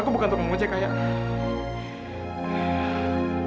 aku bukan tukang mencek ayah